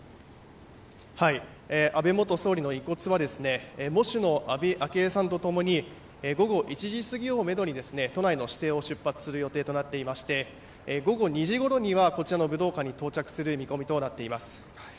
安倍元総理の遺骨は喪主の安倍昭恵さんと共に午後１時過ぎをめどに都内の私邸を出発する予定となっていて午後２時ごろには武道館に到着する見込みとなっています。